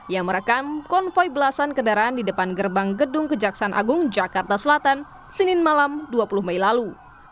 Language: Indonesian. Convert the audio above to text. yang merekam konvoy belasan kendaraan di depan gerbang gedung kejaksaan agung jakarta selatan senin malam dua puluh mei lalu